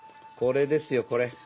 これですよこれ。